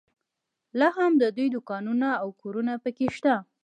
لا هم د دوی دوکانونه او کورونه په کې شته.